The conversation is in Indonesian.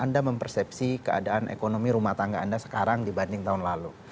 anda mempersepsi keadaan ekonomi rumah tangga anda sekarang dibanding tahun lalu